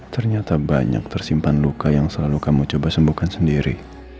ternyata banyak tersimpan luka yang selalu kamu coba sembuhkan sendiri